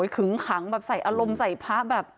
ขึงขังแบบใส่อารมณ์ใส่พระแบบ